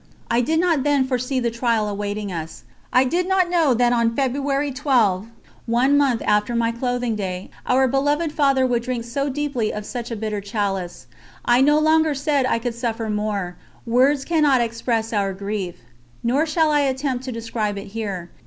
I did not then foresee the trial awaiting us. I did not know that on February 12, one month after my clothing day, our beloved Father would drink so deeply of such a bitter chalice. I no longer said I could suffer more, words cannot express our grief; nor shall I attempt to describe it here.